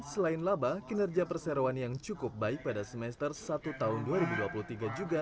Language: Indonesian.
selain laba kinerja perseroan yang cukup baik pada semester satu tahun dua ribu dua puluh tiga juga